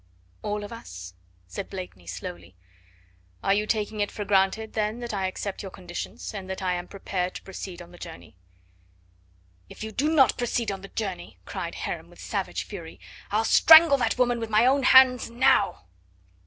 "All of us?" said Blakeney slowly. "Are you taking it for granted then that I accept your conditions and that I am prepared to proceed on the journey?" "If you do not proceed on the journey," cried Heron with savage fury, "I'll strangle that woman with my own hands now!"